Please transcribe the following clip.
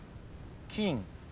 「金」